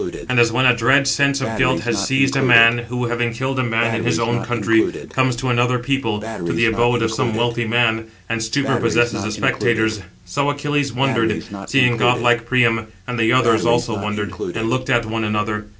And as when a dread sense of guilt has seized a man, who, having killed a man in his own country, comes to another people, to [the abode of] some wealthy man, 792 and stupor possesses the spectators; so Achilles wondered, seeing godlike Priam; and the others also wondered, and looked at one another.